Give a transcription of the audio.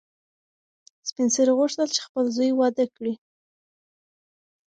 سپین سرې غوښتل چې خپل زوی واده کړي.